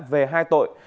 về hai tội